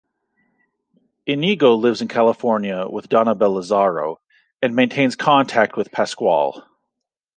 Inigo lives in California with Donabelle Lazaro, and maintains contact with Pascual.